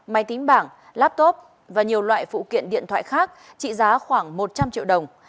máy tính bảng laptop và nhiều loại phụ kiện điện thoại khác trị giá khoảng một trăm linh triệu đồng